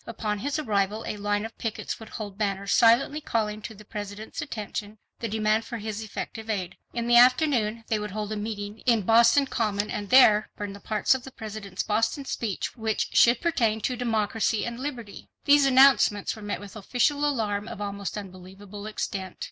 Upon his arrival a line of pickets would hold banners silently calling to the President's attention the demand for his effective aid. In the afternoon they would hold a meeting in Boston Common and there burn the parts of the President's Boston speech which should pertain to democracy and liberty. These announcements were met with official alarm of almost unbelievable extent.